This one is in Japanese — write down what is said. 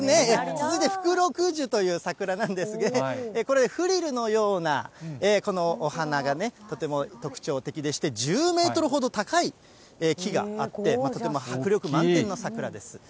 続いて福禄寿という桜なんですが、これ、フリルのようなこのお花がね、とても特徴的でして、１０メートルほど高い木があって、とても迫力満点の桜です。